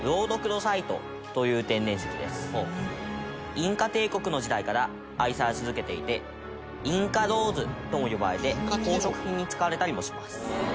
インカ帝国の時代から愛され続けていてインカローズとも呼ばれて宝飾品に使われたりもします。